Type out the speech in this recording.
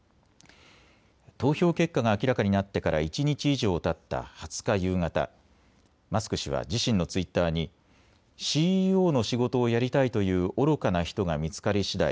投票結果が明らかになってから一日以上たった２０日夕方、マスク氏は自身のツイッターにＣＥＯの仕事をやりたいという愚かな人が見つかりしだい